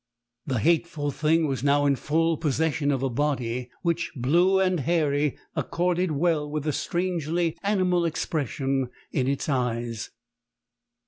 "The hateful thing was now in full possession of a body which, blue and hairy, accorded well with the strangely animal expression in its eyes.